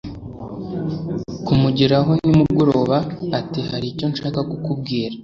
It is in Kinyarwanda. kumugeraho nimugoroba ati"haricyo nshaka kukubwira"